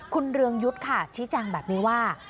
คุณเรืองยุทธ์ค่ะชี้แจงแบบนี้ว่า